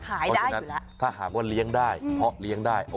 เพราะฉะนั้นถ้าหากว่าเลี้ยงได้เพราะเลี้ยงได้